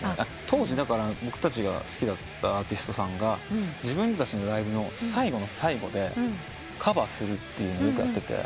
当時僕たちが好きだったアーティストさんが自分たちのライブの最後の最後でカバーするってよくやってて。